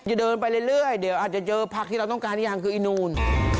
เดินไปเรื่อยเดี๋ยวอาจจะเจอผักที่เราต้องการหรือยังคืออีนูน